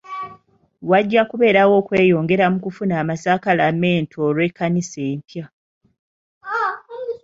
Wajja kubeerawo okweyongera mu kufuna amasakalamento olw'ekkanisa empya.